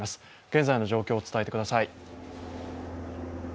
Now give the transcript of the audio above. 現在の状況を伝えてください。